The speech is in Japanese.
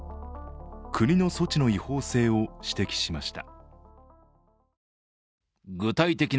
国の措置の違法性を指摘しました。